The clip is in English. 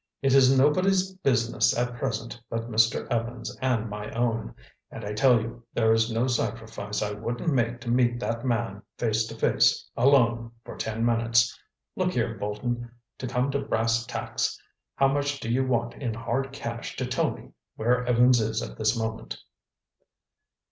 It is nobody's business at present but Mr. Evans' and my own. And I tell you, there is no sacrifice I wouldn't make to meet that man face to face, alone, for ten minutes. Look here, Bolton, to come to brass tacks, how much do you want in hard cash to tell me where Evans is at this moment?"